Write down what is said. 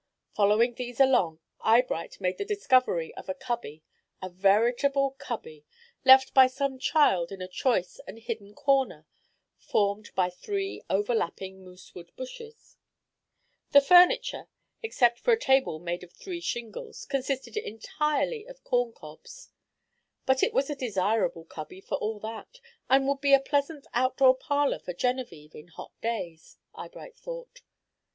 Following these along, Eyebright made the discovery of a cubby, a veritable cubby, left by some child in a choice and hidden corner formed by three overlapping moosewood bushes. The furniture, except for a table made of three shingles, consisted entirely of corn cobs; but it was a desirable cubby for all that, and would be a pleasant out door parlor for Genevieve on hot days, Eyebright thought.